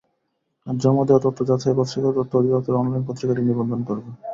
জমা দেওয়া তথ্য যাচাই বাছাই করে তথ্য অধিদপ্তর অনলাইন পত্রিকাটির নিবন্ধন করবে।